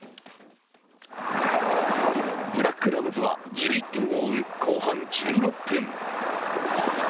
ブラックラムズは１１点を追う後半１６分。